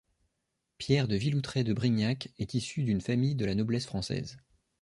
Pierre de Villoutreys de Brignac est issue d'une famille de la noblesse française.